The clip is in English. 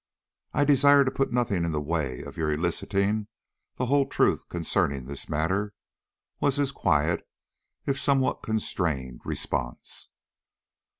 "I desire to put nothing in the way of your eliciting the whole truth concerning this matter," was his quiet, if somewhat constrained, response.